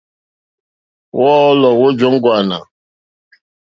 Wɔ́ɔ̌lɔ̀ wó jóŋɡwânà.